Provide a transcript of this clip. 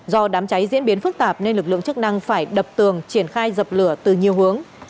do đám cháy diễn biến phức tạp nên lực lượng chức năng phải đập tường triển khai dập lửa từ nhiều hướng